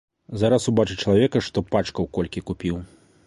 Зараз убачыць чалавека, што пачкаў колькі купіў.